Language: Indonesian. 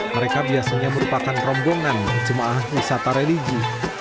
mereka biasanya merupakan rombongan jemaah wisata religi